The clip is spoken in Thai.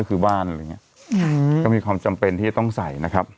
ก็คือบ้านอะไรอย่างเงี้ยก็มีความจำเป็นที่จะต้องใส่นะครับ